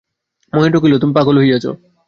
মহেন্দ্র কহিল, তুমি পাগল হইয়াছ?